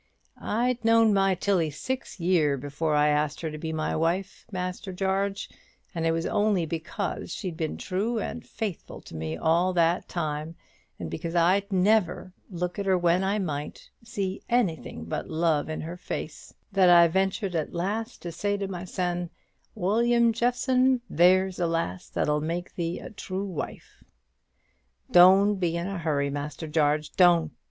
I'd known my Tilly six year before I asked her to be my wife, Master Jarge; and it was only because she'd been true and faithful to me all that time, and because I'd never, look at her when I might, seen anything but love in her face, that I ventured at last to say to mysen, 'William Jeffson, there's a lass that'll make thee a true wife.' Doan't be in a hurry, Master Jarge; doan't!